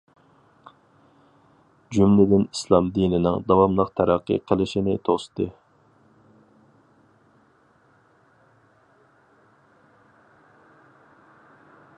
جۈملىدىن ئىسلام دىنىنىڭ داۋاملىق تەرەققىي قىلىشىنى توستى.